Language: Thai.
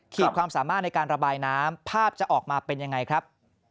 ความสามารถในการระบายน้ำภาพจะออกมาเป็นยังไงครับ